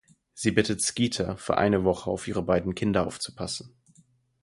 Sie bittet Skeeter, für eine Woche auf ihre beiden Kinder aufzupassen.